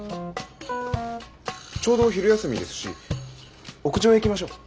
ちょうど昼休みですし屋上へ行きましょう。